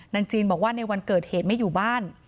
จีนบอกว่าในวันเกิดเหตุไม่อยู่บ้าน